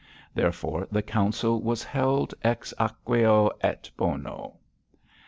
Therefore, the council was held ex aequo et bono.